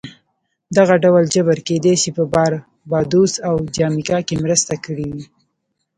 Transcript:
دغه ډول جبر کېدای شي په باربادوس او جامیکا کې مرسته کړې وي